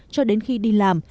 cho đến khi đi làm